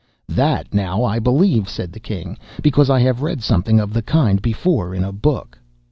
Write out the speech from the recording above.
'" (*18) "That, now, I believe," said the king, "because I have read something of the kind before, in a book."